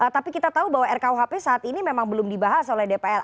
tapi kita tahu bahwa rkuhp saat ini memang belum dibahas oleh dpr